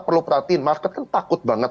perlu perhatiin market kan takut banget